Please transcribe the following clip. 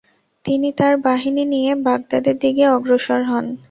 তিনি তার বাহিনী নিয়ে বাগদাদের দিকে অগ্রসর হন।